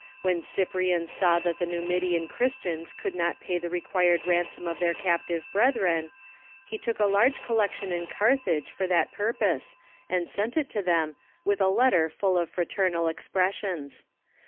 When Cyprian saw that the Numidian Christians could not pay the required ransom of their captive brethren, he took a large collection in Carthage for that purpose, and sent it to them, with a letter full of frater nal expressions.